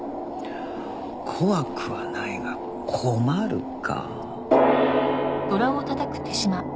怖くはないが困るか。